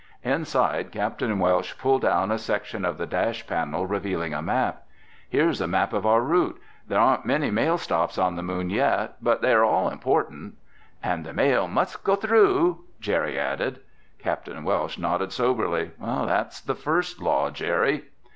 Inside, Capt. Welsh pulled down a section of the dash panel revealing a map. "Here's a map of our route. There aren't many mail stops on the Moon yet, but they are all important." "And the mail must go through!" Jerry added. Capt. Welsh nodded soberly. "That's the first law, Jerry."